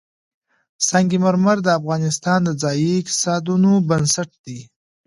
سنگ مرمر د افغانستان د ځایي اقتصادونو بنسټ دی.